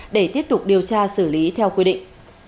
để tiếp tục điều tra xử lý theo quy định